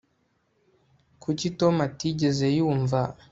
kuki tom atigeze yumva